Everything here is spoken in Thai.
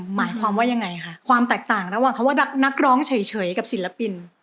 หมายความว่ายังไงค่ะความแตกต่างระหว่างคำว่านักร้องเฉยกับศิลปิน